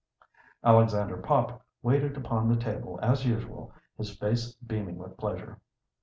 Alexander Pop waited upon the table as usual, his face beaming with pleasure.